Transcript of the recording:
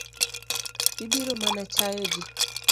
Ibiro mana chayo gi.